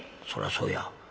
「そらそうや。